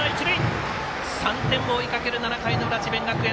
３点を追いかける７回の裏、智弁学園。